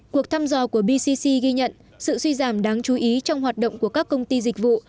cuộc thăm dò của bcc ghi nhận sự suy giảm đáng chú ý trong hoạt động của các công ty dịch vụ